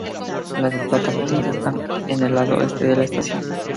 Las plataformas están en el lado este de la estación.